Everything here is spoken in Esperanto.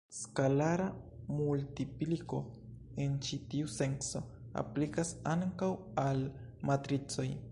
Skalara multipliko en ĉi tiu senco aplikas ankaŭ al matricoj.